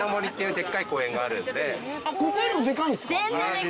ここよりもでかいんですか？